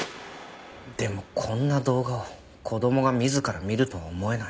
でもこんな動画を子供が自ら見るとは思えない。